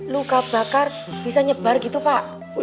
luka bakar bisa nyebar gitu pak